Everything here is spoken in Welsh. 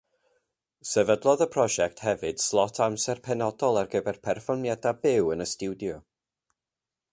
Sefydlodd y prosiect hefyd slot amser penodol ar gyfer perfformiadau byw yn y stiwdio.